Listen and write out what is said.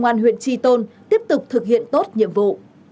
công an huyện tri tôn tiếp tục thực hiện tốt nhiệm vụ